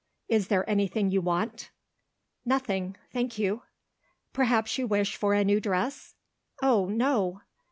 Is there anything you want?" "Nothing thank you." "Perhaps you wish for a new dress?" "Oh, no!"